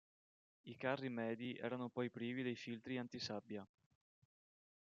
I carri medi erano poi privi dei filtri anti sabbia.